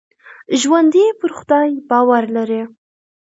ژوندي پر خدای باور لري